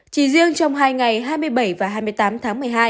chỉ riêng trong hai ngày hai mươi bảy và hai mươi tám tháng một mươi hai